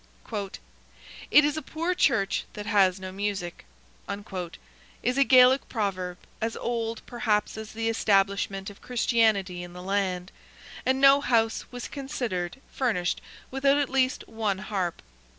"It is a poor church that has no music," is a Gaelic proverb, as old, perhaps, as the establishment of Christianity in the land; and no house was considered furnished without at least one harp.